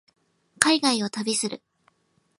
海外を旅する